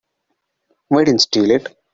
We didn't steal it.